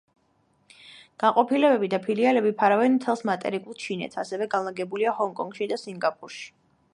განყოფილებები და ფილიალები ფარავენ მთელს მატერიკულ ჩინეთს, ასევე განლაგებულია ჰონკონგში და სინგაპურში.